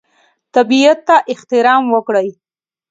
طبیعت ته احترام وکړئ.